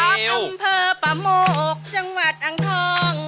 อำเภอปะโมกจังหวัดอังทอง